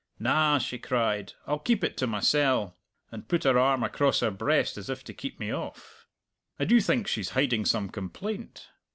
'Na,' she cried, 'I'll keep it to mysell!' and put her arm across her breast as if to keep me off. I do think she's hiding some complaint!